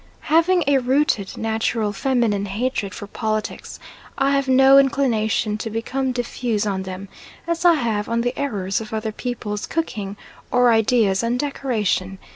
Having a rooted, natural, feminine hatred for politics I have no inclination to become diffuse on them, as I have on the errors of other people's cooking or ideas on decoration.